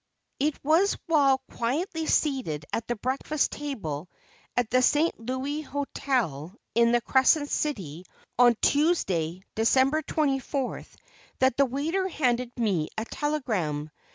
It was while quietly seated at the breakfast table, at the St. Louis Hotel, in the Crescent City, on Tuesday, December 24th, that the waiter handed me a telegram.